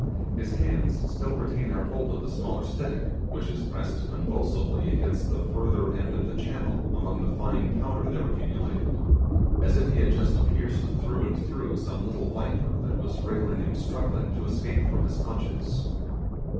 His hands still retain their hold of the smaller stick, which is pressed convulsively against the further end of the channel among the fine powder there accumulated, as if he had just pierced through and through some little viper that was wriggling and struggling to escape from his clutches.